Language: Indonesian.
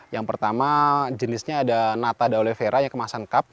yang pertama jenisnya ada nata aloe vera yang kemasan kap